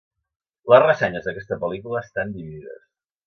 Les ressenyes d'aquesta pel·lícula estan dividides.